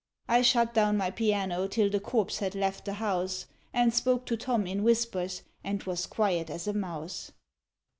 I shut down my piano till the corpse had left the house, And spoke to Tom in whispers and was quiet as a mouse.